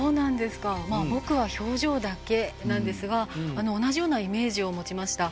僕は表情だけなんですが同じようなイメージを持ちました。